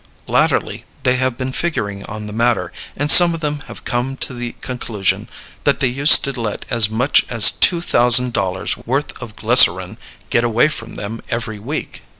Latterly they have been figuring on the matter, and some of them have come to the conclusion that they used to let as much as two thousand dollars' worth of glycerin get away from them every week.